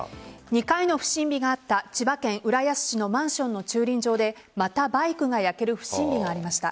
２回の不審火があった千葉県浦安市のマンションの駐輪場でまたバイクが焼ける不審火がありました。